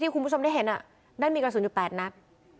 ที่คุณผู้ชมได้เห็นนั่นมีกฤษ๐๘นัท